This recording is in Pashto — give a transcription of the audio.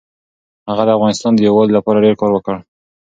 هغه د افغانستان د یووالي لپاره ډېر کار وکړ.